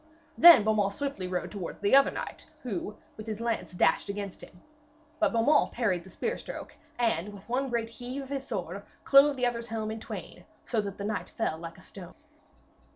Then Beaumains rode swiftly towards the other knight, who with his lance dashed against him. But Beaumains parried the spear stroke, and with one great heave of his sword, clove the other's helm in twain, so that the knight fell like a stone.